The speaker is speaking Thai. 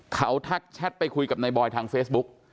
เขาทักแชทไปคุยกับนายบอยทางเฟซบุ๊ก